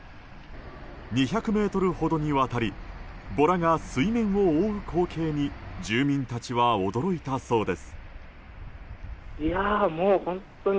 ２００ｍほどにわたりボラが水面を覆う光景に住民たちは驚いたそうです。